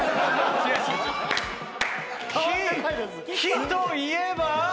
「き」といえば？